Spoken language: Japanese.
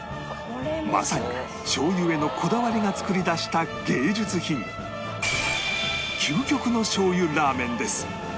まさにしょう油へのこだわりが作り出した芸術品究極のしょう油ラーメンです